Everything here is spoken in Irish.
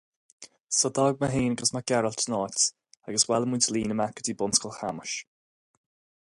So d'fhág mé féin agus Mac Gearailt an áit agus bhailigh muid linn amach go dtí bunscoil Chamais.